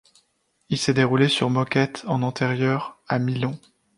Il s'est déroulé sur moquette en intérieur à Milan.